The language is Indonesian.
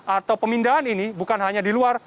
atau pemindahan ini bukan hanya di luar